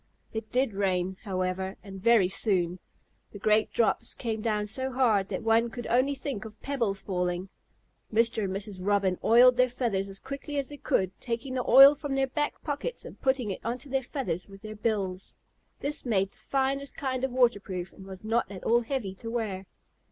It did rain, however, and very soon. The great drops came down so hard that one could only think of pebbles falling. Mr. and Mrs. Robin oiled their feathers as quickly as they could, taking the oil from their back pockets and putting it onto their feathers with their bills. This made the finest kind of waterproof and was not at all heavy to wear.